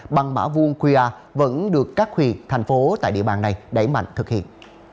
bằng mã vuông qr vẫn được các huyện thành phố tại địa bàn này đẩy mạnh thực hiện